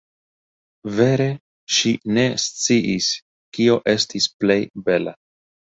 Vere, ŝi ne sciis, kio estis plej bela.